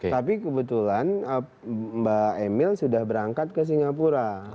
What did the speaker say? tapi kebetulan mbak emil sudah berangkat ke singapura